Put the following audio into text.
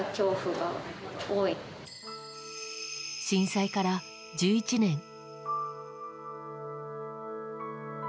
震災から１１年。